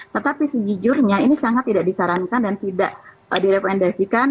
tetapi sejujurnya ini sangat tidak disarankan dan tidak direkomendasikan